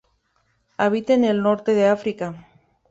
Habita en el Norte de África.